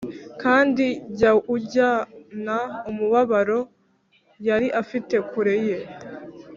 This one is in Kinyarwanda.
kandi jya ujyana umubabaro yari afite kure ye